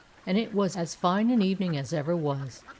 and it was as fine an evening as ever was.